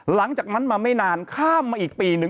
หลังจากนั้นมาไม่นานข้ามมาอีกปีหนึ่ง